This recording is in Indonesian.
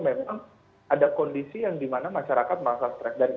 memang ada kondisi yang dimana masyarakat merasa stres